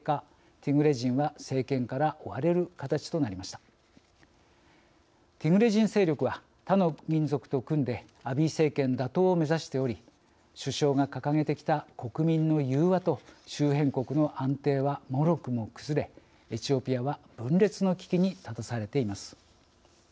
ティグレ人勢力は他の民族と組んでアビー政権打倒を目指しており首相が掲げてきた国民の融和と周辺国の安定はもろくも崩れエチオピアは分裂の危機に立たされています。